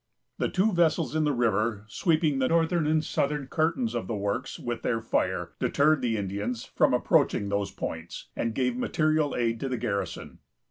The two vessels in the river, sweeping the northern and southern curtains of the works with their fire, deterred the Indians from approaching those points, and gave material aid to the garrison.